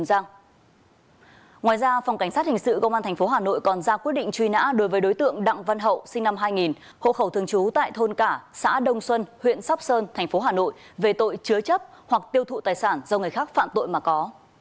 ngoài ra phòng cảnh sát hình sự công an tp hà nội còn ra quyết định truy nã đối với đối tượng đặng văn hậu sinh năm hai nghìn hộ khẩu thường trú tại thôn cả xã đông xuân huyện sóc sơn thành phố hà nội về tội chứa chấp hoặc tiêu thụ tài sản do người khác phạm tội mà có